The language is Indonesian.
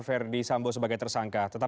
verdi sambo sebagai tersangka tetap